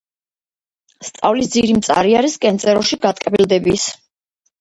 სწავლის ძირი მწარე არის კენწეროში გატკბილდების